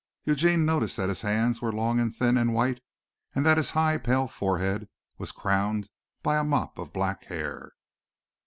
Eugene noticed that his hands were long and thin and white and that his high, pale forehead was crowned by a mop of black hair.